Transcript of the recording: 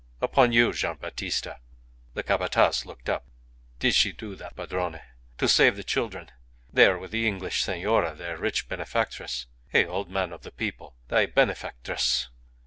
Upon you, Gian' Battista." The Capataz looked up. "Did she do that, Padrone? To save the children! They are with the English senora, their rich benefactress. Hey! old man of the people. Thy benefactress.